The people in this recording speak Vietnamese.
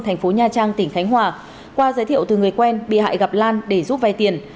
thành phố nha trang tỉnh khánh hòa qua giới thiệu từ người quen bị hại gặp lan để giúp vay tiền